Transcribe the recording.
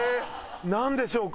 なんでしょうか？